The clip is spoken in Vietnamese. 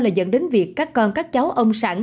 là dẫn đến việc các con các cháu ông sẵn